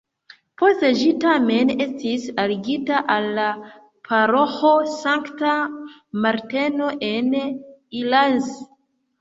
Post ĝi tamen estis aligita al la paroĥo Sankta Marteno en Ilanz.